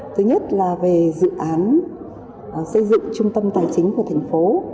thứ nhất là về dự án xây dựng trung tâm tài chính của thành phố